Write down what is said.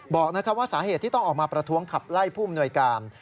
บอกว่าสาเหตุที่ต้องออกมาประท้วงขับไล่ผู้อำนวยการ